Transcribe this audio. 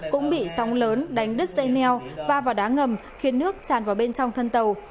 cũng bị sóng lớn đánh đứt dây neo và vào đá ngầm khiến nước tràn vào bên trong thân tàu